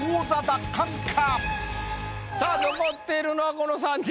さあ残っているのはこの３人。